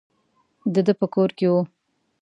د ده په کور کې وو.